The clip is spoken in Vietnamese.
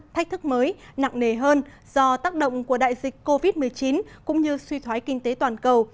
thách thức mới nặng nề hơn do tác động của đại dịch covid một mươi chín cũng như suy thoái kinh tế toàn cầu